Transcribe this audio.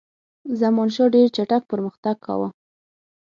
زمانشاه ډېر چټک پرمختګ کاوه.